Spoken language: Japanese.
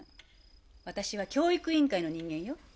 わたしは教育委員会の人間よ。